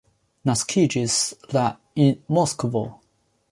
Naskiĝis la en Moskvo.